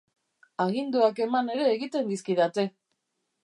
Aginduak eman ere egiten dizkidate!.